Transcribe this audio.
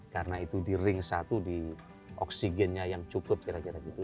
karena itu di ring satu di oksigennya yang cukup kira kira gitu